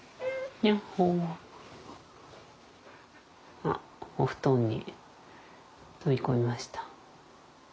あっお布団に飛び込みました。